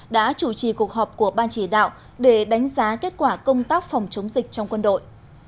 đã chủ trì cuộc họp của ban chỉ đạo để đánh giá kết quả công tác phòng chống dịch trong quân đội